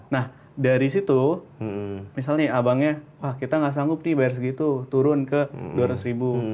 nah dari situ misalnya abangnya wah kita nggak sanggup nih bayar segitu turun ke dua ratus ribu